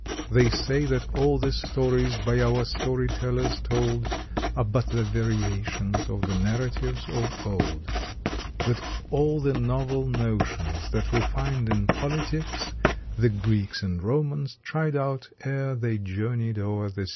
They say that all the stories by our story tellers told Are but the variations of the narratives of old; That all the novel notions that we find in politics The Greeks and Romans tried out ere they journeyed o er the Styx.